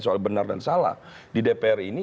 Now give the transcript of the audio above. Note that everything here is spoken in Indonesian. soal benar dan salah di dpr ini